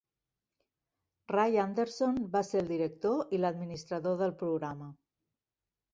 Ray Anderson va ser el director i l'administrador del programa.